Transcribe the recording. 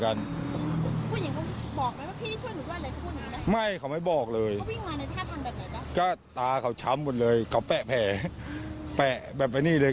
ค่ะแล้วน้องผู้หญิงพอเห็นผู้ชายพูดว่าเรื่องผัวเมีย